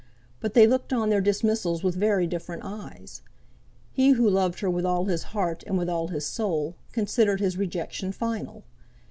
But they looked on their dismissals with very different eyes. He who loved her with all his heart and with all his soul, considered his rejection final.